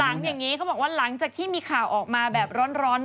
อย่างนี้เขาบอกว่าหลังจากที่มีข่าวออกมาแบบร้อน